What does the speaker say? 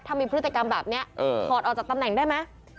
ถ้ามีพฤติกรรมแบบนี้ถอดออกจากตำแหน่งได้ไหม